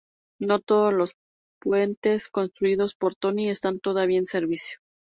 No todos los puentes construidos por Toni están todavía en servicio.